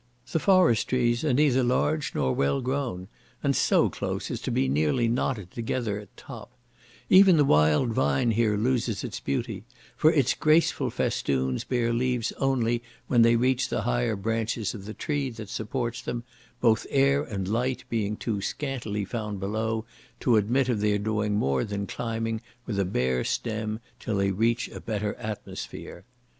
The forest trees are neither large nor well grown, and so close as to be nearly knotted together at top; even the wild vine here loses its beauty, for its graceful festoons bear leaves only when they reach the higher branches of the tree that supports them, both air and light being too scantily found below to admit of their doing more than climbing with a bare stem till they reach a better atmosphere.